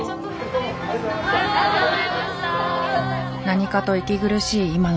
何かと息苦しい今の時代。